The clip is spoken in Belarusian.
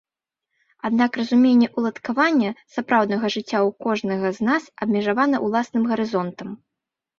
Аднак разуменне ўладкавання сапраўднага жыцця ў кожнага з нас абмежавана ўласным гарызонтам.